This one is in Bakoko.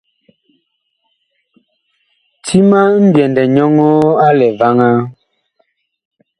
Ti ma ŋmbyɛndɛ nyɔŋɔɔ a lɛ vaŋaa.